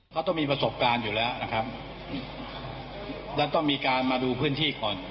เขาต้องมีประสบการณ์อยู่แล้วนะครับแล้วต้องมีการมาดูพื้นที่ก่อน